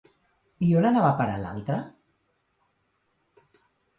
I on anava a parar l'altra?